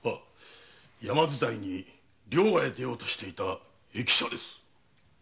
山伝いに領外へ出ようとしていた易者です。